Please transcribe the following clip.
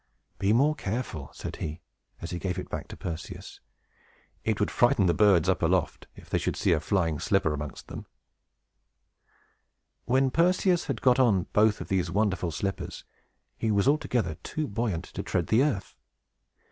"Be more careful," said he, as he gave it back to Perseus. "It would frighten the birds, up aloft, if they should see a flying slipper amongst them." [Illustration: PERSEVS ARMED BY THE NYMPHS] When Perseus had got on both of these wonderful slippers, he was altogether too buoyant to tread on earth.